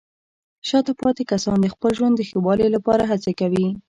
شاته پاتې کسان د خپل ژوند د ښه والي لپاره هڅې کوي.